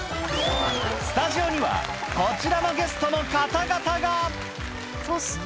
スタジオには、こちらのゲストのそして。